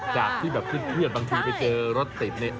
จากที่แบบขึ้นเครียดบางทีไปเจอรถเต็ม